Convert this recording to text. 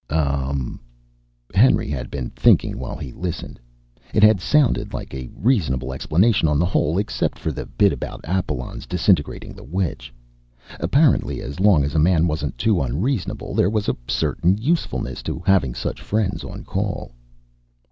"Umm." Henry had been thinking while he listened. It had sounded like a reasonable explanation on the whole, except for the bit about Apalon's disintegrating the witch. Apparently as long as a man wasn't too unreasonable, there was a certain usefulness to having such friends on call.